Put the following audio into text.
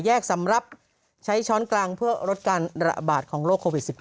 สำหรับใช้ช้อนกลางเพื่อลดการระบาดของโรคโควิด๑๙